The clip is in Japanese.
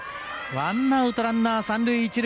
ワンアウト、ランナー、三塁一塁。